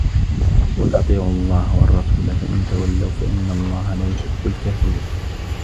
قل أطيعوا الله والرسول فإن تولوا فإن الله لا يحب الكافرين